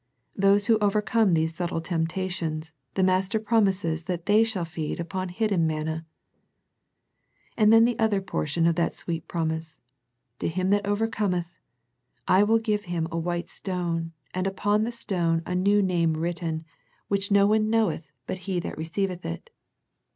To those who overcome these subtle temptations, the Master promises that they shall feed upon hidden manna. And then the other portion of that sweet promise. " To him that overcometh ... I will give him a white stone, and upon the stone a new name written, which no one The Pergamum Letter 105 knoweth but he that receiveth it."